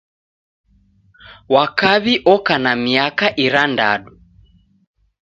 Wa kaw'i oka na miaka irandadu.